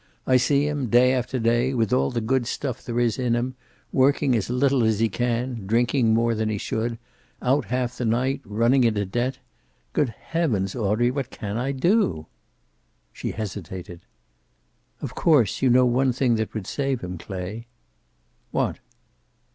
I see him, day after day, with all the good stuff there is in him, working as little as he can, drinking more than he should, out half the night, running into debt good heavens, Audrey, what can I do?" She hesitated. "Of course, you know one thing that would save him, Clay?" "What?"